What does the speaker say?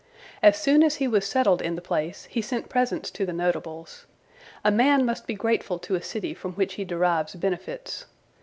As soon as he was settled in the place, he sent presents to the notables. A man must be grateful to a city from which he derives benefits.